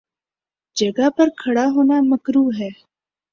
جگہ پر کھڑا ہونا مکروہ ہے۔